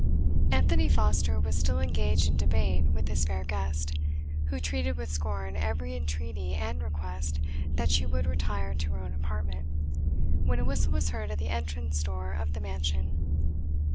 Antony Foster was still engaged in debate with his fair guest, who treated with scorn every entreaty and request that she would retire to her own apartment, when a whistle was heard at the entrance door of the mansion.